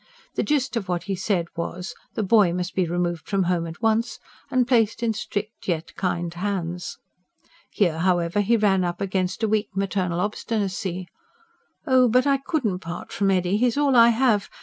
The gist of what he said was, the boy must be removed from home at once, and placed in strict, yet kind hands. Here, however, he ran up against a weak maternal obstinacy. "Oh, but I couldn't part from Eddy. He is all I have....